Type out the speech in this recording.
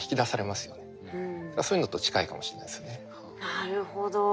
なるほど。